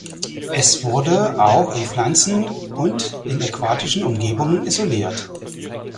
Es wurde auch in Pflanzen und in aquatischen Umgebungen isoliert.